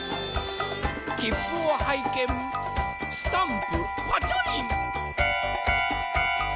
きっぷをはいけんスタンプパチョリン。